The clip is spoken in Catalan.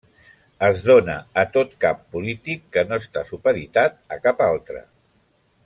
Es dóna a tot cap polític que no està supeditat a cap altre.